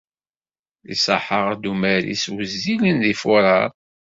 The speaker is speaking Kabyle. Iṣaḥ-aɣ-d umaris wezzilen deg Fuṛaṛ.